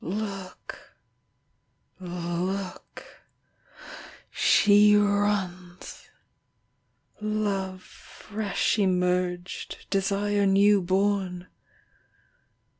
Look ... Look ... She runs ... Love fresh emerged, Desire new born